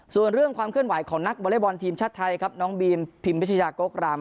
ส่วนเรื่องความเคลื่อนไหวของนักวอเล็กบอลทีมชาติไทยครับน้องบีมพิมพิชยากกรำ